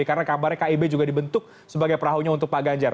karena kabarnya kib juga dibentuk sebagai perahunya untuk pak ganjar